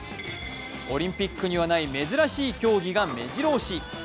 オリンピックにはない珍しい競技がめじろ押し。